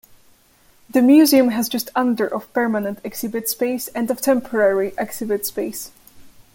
The museum has just under of permanent exhibit space and of temporary exhibit space.